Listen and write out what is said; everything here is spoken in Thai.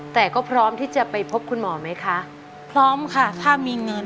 แต่ก็พร้อมที่จะไปพบคุณหมอมั้ยคะ